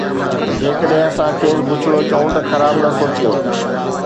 جيڪڏهن اسان کيس بڇڙو چئون ته خراب نه سوچيو